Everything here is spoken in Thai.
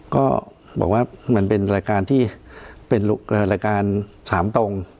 ก็บอกว่ามันเป็นรายการที่เป็นรายการถามตรง